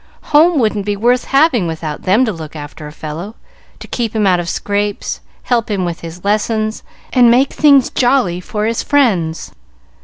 "Home wouldn't be worth having without them to look after a fellow, to keep him out of scrapes, help him with his lessons, and make things jolly for his friends.